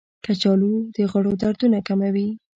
کچالو د غړو دردونه کموي.